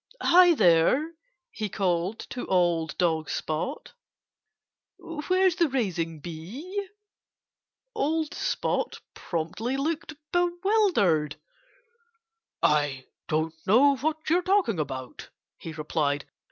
"Hi, there!" he called to old dog Spot. "Where's the raising bee?" Old Spot promptly looked bewildered. "I don't know what you're talking about," he replied.